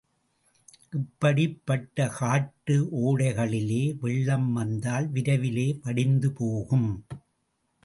இப்படிப்பட்ட காட்டு ஓடைகளிலே வெள்ளம் வந்தால் விரைவிலே வடிந்துபோகும்.